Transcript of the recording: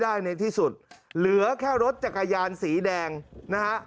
ในที่สุดเหลือแค่รถจักรยานสีแดงนะฮะ